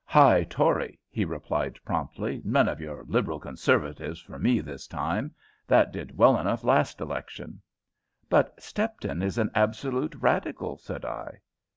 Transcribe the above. "High Tory," he replied, promptly. "None of your Liberal Conservatives for me this time that did well enough last election." "But Stepton is an absolute Radical," said I.